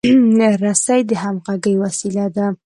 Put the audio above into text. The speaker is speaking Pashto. رسۍ د همغږۍ وسیله ده.